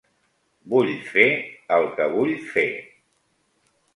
Vull fer el que vull fer.